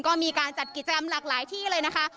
ก็มีการจัดกิจกรรมหลากหลายที่เลยนะคะ